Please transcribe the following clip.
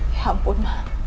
ya ampun ma